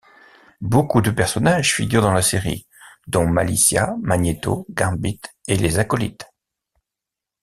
Beaucoup de personnages figurent dans la série, dont Malicia, Magnéto, Gambit et les Acolytes.